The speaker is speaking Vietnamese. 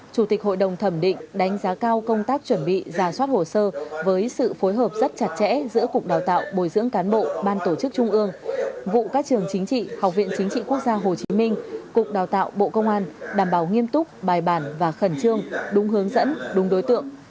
chủ tịch hội đồng thẩm định đánh giá cao công tác chuẩn bị giả soát hồ sơ với sự phối hợp rất chặt chẽ giữa cục đào tạo bồi dưỡng cán bộ ban tổ chức trung ương vụ các trường chính trị học viện chính trị quốc gia hồ chí minh cục đào tạo bộ công an đảm bảo nghiêm túc bài bản và khẩn trương đúng hướng dẫn đúng đối tượng